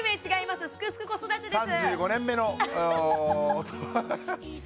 「すくすく子育て」です。